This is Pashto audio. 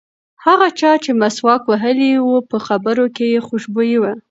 هغه چا چې مسواک وهلی و په خبرو کې یې خوشبويي وه.